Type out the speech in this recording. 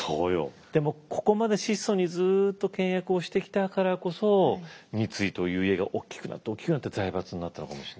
でもここまで質素にずっと倹約をしてきたからこそ三井という家が大きくなって大きくなって財閥になったのかもしれないね。